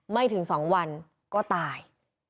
ไม่ถึง๒วันก็ตาย